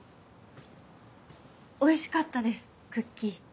おいしかったですクッキー。